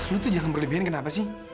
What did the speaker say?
lu tuh jangan berlebihan kenapa sih